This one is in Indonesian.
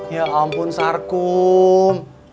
ya ampun sarkum